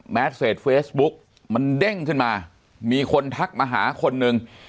เพจเฟซบุ๊กมันเด้งขึ้นมามีคนทักมาหาคนหนึ่ง